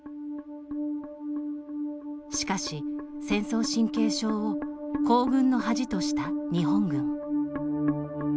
しかし、戦争神経症を「皇軍の恥」とした日本軍。